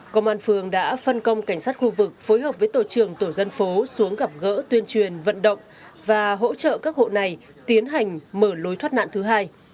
công an phường đã phân công cảnh sát khu vực phối hợp với tổ trường tổ dân phố xuống gặp gỡ tuyên truyền vận động và hỗ trợ các hộ này tiến hành mở lối thoát nạn thứ hai